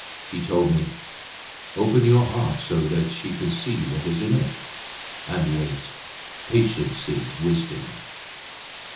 He told me: Open your heart so that she can see what is in it and wait. Patience is wisdom.